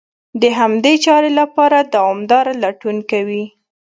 د همدې چارې لپاره دوامداره لټون کوي.